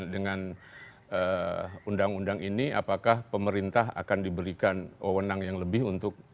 dengan undang undang ini apakah pemerintah akan diberikan wawonang yang lebih untuk